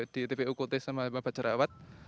di tpu kota sama bapak jerawat